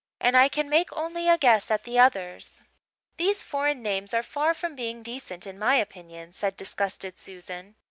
And I can make only a guess at the others." "These foreign names are far from being decent, in my opinion," said disgusted Susan.